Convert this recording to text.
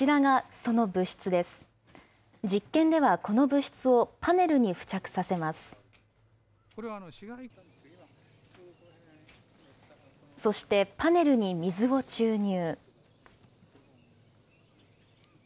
そしてパネルに水を注入。